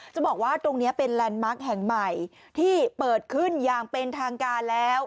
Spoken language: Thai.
จะบอกว่าตรงนี้เป็นแลนด์มาร์คแห่งใหม่ที่เปิดขึ้นอย่างเป็นทางการแล้ว